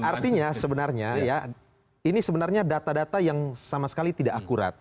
jadi artinya sebenarnya ya ini sebenarnya data data yang sama sekali tidak akurat